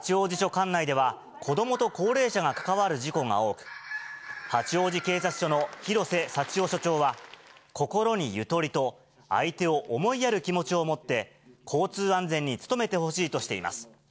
管内では、子どもと高齢者が関わる事故が多く、八王子警察署の廣瀬幸男署長は心にゆとりと、相手を思いやる気持ちを持って、交通安全に努めてほしいとしています。